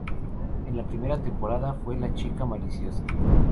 En la primera temporada fue la Chica Maliciosa.